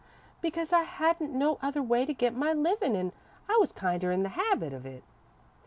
"Because I hadn't no other way to get my livin' an' I was kinder in the habit of it.